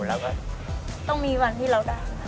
เราก็ต้องมีวันที่เราได้